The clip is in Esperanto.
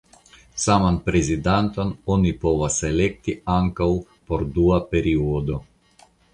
Saman prezidanton oni povas elekti ankaŭ por dua periodo.